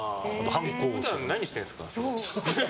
普段、何してるんですか？